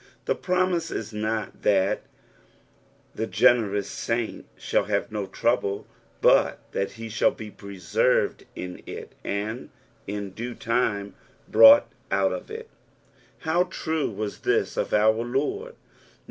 The promise is Dot thit the jrenerous saint shall have no trouble, but that he shall be preserved in it, and in due time brought out of it. How true was this of our Lord!